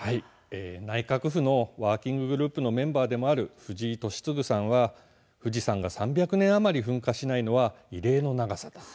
内閣府のワーキンググループのメンバーでもある藤井敏嗣さんは富士山が３００年余り噴火しないのは異例の長さ。